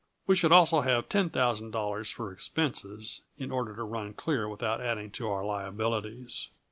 We should also have ten thousand dollars for expenses, in order to run clear without adding to our liabilities.